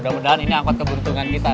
mudah mudahan ini angkot keberuntungan kita